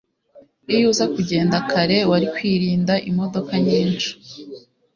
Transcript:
iyo uza kugenda kare, wari kwirinda imodoka nyinshi